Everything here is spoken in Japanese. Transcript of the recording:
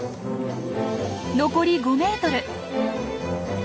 残り５ｍ。